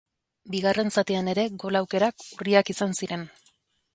Bigarren zatian ere gol aukerak urriak izan ziren.